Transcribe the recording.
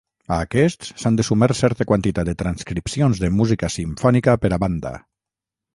A aquestes s'han de sumar certa quantitat de transcripcions de música simfònica per a banda.